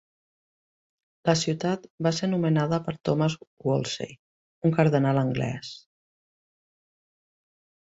La ciutat va ser nomenada per Thomas Wolsey, un cardenal anglès.